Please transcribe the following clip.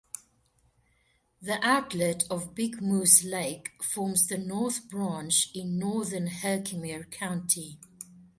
The outlet of Big Moose Lake forms the North Branch in northern Herkimer County.